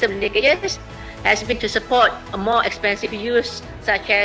adalah untuk mendukung penggunaan yang mahal